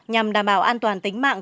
nhằm đảm bảo an toàn tính mạng